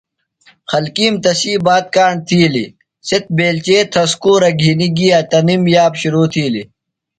خلکِیم تسی بات کاݨ تِھیلیۡ۔ سےۡ بیلچے تھسکُورہ گِھنیۡ گیہ تںِم یاب شرو تِھیلیۡ۔